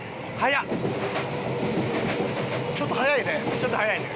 ちょっと速いね。